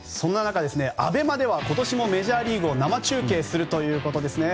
ＡＢＥＭＡでは今年もメジャーリーグを生中継するということです。